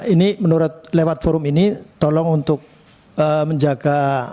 ini menurut lewat forum ini tolong untuk menjaga